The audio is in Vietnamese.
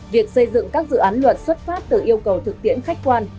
việc xây dựng các dự án luật xuất phát từ yêu cầu thực tiễn khách quan